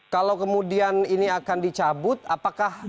kalau kemudian ini akan dicabut apakah